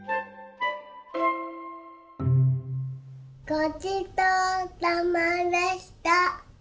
ごちそうさまでした！